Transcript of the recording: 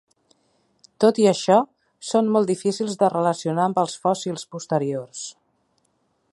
Tot i això, són molt difícils de relacionar amb els fòssils posteriors.